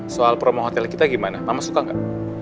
soal promo hotel kita gimana mama suka nggak